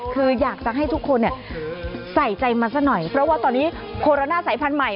คืออยากจะให้ทุกคนใส่ใจมาซะหน่อยเพราะว่าตอนนี้โคโรนาสายพันธุ์ใหม่